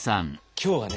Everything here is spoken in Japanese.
今日はね